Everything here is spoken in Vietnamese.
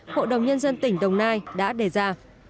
hội đồng nhân dân tỉnh đồng nai đã đề ra